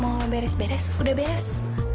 mau beres beres udah beres